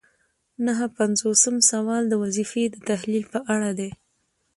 نهه پنځوسم سوال د وظیفې د تحلیل په اړه دی.